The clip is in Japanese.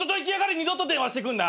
二度と電話してくんな！